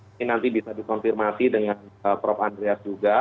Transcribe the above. ini nanti bisa dikonfirmasi dengan prof andreas juga